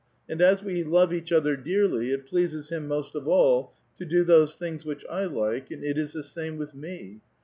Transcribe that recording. And as we love each other dearly, it pleases him most of all to do those things which I like, and it is the same with me.